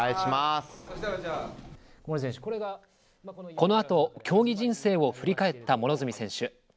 このあと競技人生を振り返った両角選手。